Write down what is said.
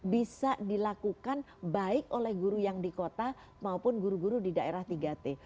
bisa dilakukan baik oleh guru yang di kota maupun guru guru di daerah tiga t